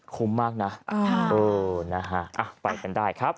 คุ้มมากนะไปกันได้ครับ